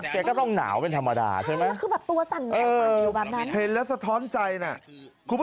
แกก็ต้องหนาวเป็นธรรมดาใช่ไหม